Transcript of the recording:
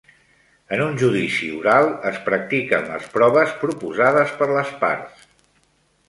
En un judici oral es practiquen les proves proposades per les parts.